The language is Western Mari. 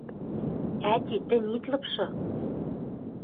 — Ӓти, тӹнь ит лыпшы